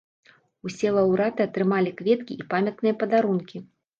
Усе лаўрэаты атрымалі кветкі і памятныя падарункі.